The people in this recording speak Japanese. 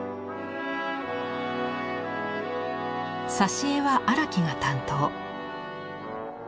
挿絵は荒木が担当。